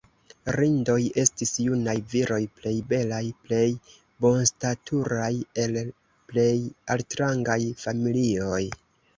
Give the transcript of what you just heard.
"Rindoj" estis junaj viroj plej belaj, plej bonstaturaj el plej altrangaj familioj.